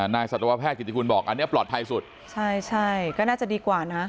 สัตวแพทย์กิติคุณบอกอันนี้ปลอดภัยสุดใช่ใช่ก็น่าจะดีกว่านะ